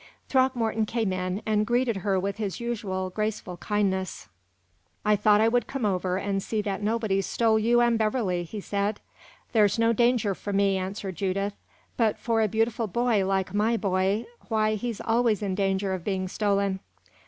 Throckmorton came in, and greeted her with his usual graceful kindness. "I thought I would come over and see that nobody stole you and Beverley," he said. "There's no danger for me," answered Judith; "but for a beautiful boy like my boy why, he's always in danger of being stolen."